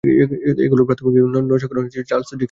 এগুলোর প্রাথমিক নকশা করেন চার্লস ডিক্সন।